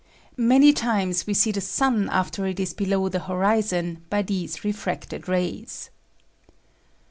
Many times we see the sun after it is below the horizon, by these refracted rays.